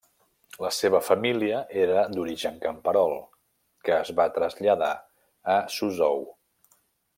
La seva família era d'origen camperol que es va traslladar a Suzhou.